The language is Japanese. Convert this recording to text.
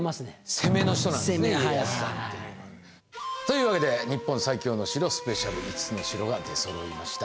攻めの人なんですね家康さんというのは。というわけで「日本最強の城スペシャル」５つの城が出そろいました。